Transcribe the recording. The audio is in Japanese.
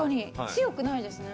強くないですね。